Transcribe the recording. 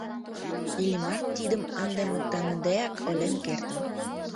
Иллимар тидым ынде моктаныдеак ойлен кертын.